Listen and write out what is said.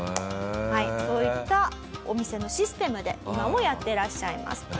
そういったお店のシステムで今もやってらっしゃいます。